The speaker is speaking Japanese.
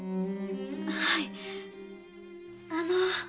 はいあの。